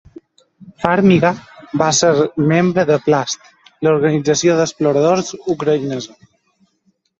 Farmiga va ser membre de Plast, la organització d'exploradors ucraïnesa.